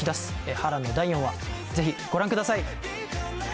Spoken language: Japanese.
波乱の第４話ぜひご覧ください！